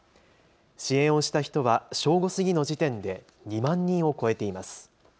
支援をした人は正午過ぎの時点で２万人を超えています。